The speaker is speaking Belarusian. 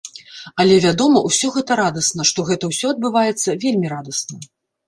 Але, вядома, усё гэта радасна, што гэта ўсё адбываецца, вельмі радасна!